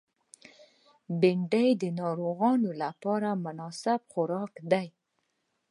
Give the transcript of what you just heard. بېنډۍ د ناروغانو لپاره مناسب خوراک دی